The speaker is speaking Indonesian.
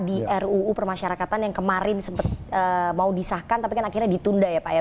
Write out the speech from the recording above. di ruu permasyarakatan yang kemarin sempat mau disahkan tapi kan akhirnya ditunda ya pak ya